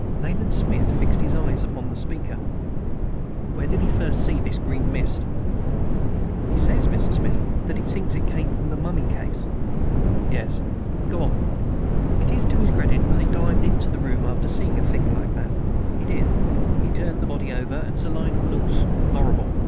Nayland Smith fixed his eyes upon the speaker. "Where did he first see this green mist?" "He says, Mr. Smith, that he thinks it came from the mummy case." "Yes; go on." "It is to his credit that he climbed into the room after seeing a thing like that. He did. He turned the body over, and Sir Lionel looked horrible.